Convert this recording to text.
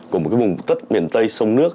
của một cái vùng tất miền tây sông nước